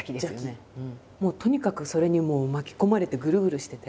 もうとにかくそれに巻き込まれてぐるぐるしてて。